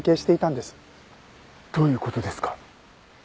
どういう事ですか？